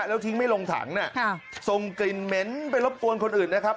แล้วทิ้งไม่ลงถังส่งกลิ่นเหม็นไปรบกวนคนอื่นนะครับ